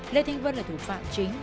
lê thanh vân là thủ phạm chính